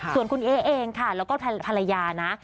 ส่วนคุณเอ๊เองค่ะแล้วก็ภรรยานะ